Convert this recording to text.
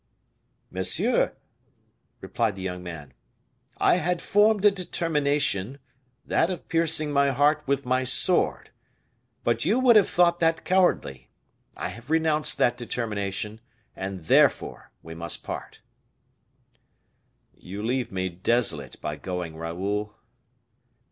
"Monsieur," replied the young man, "I had formed a determination, that of piercing my heart with my sword; but you would have thought that cowardly. I have renounced that determination, and therefore we must part." "You leave me desolate by going, Raoul."